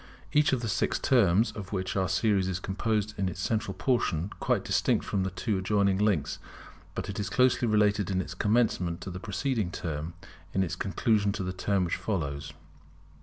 Each of the six terms of which our series is composed is in its central portion quite distinct from the two adjoining links; but it is closely related in its commencement to the preceding term, in its conclusion to the term which follows.